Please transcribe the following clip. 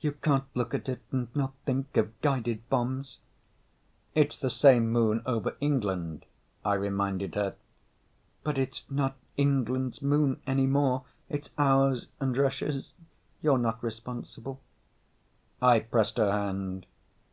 "You can't look at it and not think of guided bombs." "It's the same Moon over England," I reminded her. "But it's not England's Moon any more. It's ours and Russia's. You're not responsible." I pressed her hand.